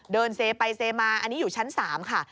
เซไปเซมาอันนี้อยู่ชั้น๓ค่ะ